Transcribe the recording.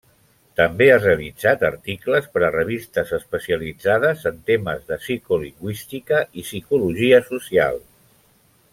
També ha realitzat articles per a revistes especialitzades en temes de psicolingüística i psicologia social.